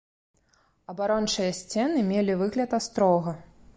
Абарончыя сцены мелі выгляд астрога.